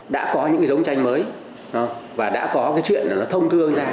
đã có những giống tranh mới và đã có cái chuyện nó thông thương ra